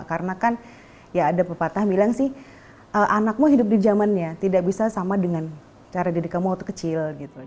karena kan ya ada pepatah bilang sih anakmu hidup di zamannya tidak bisa sama dengan cara didikamu waktu kecil